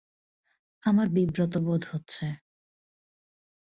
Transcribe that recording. আমার বিব্রতবোধ হচ্ছে।